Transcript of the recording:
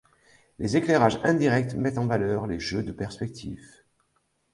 Les éclairages indirects mettent en valeur les jeux de perspective.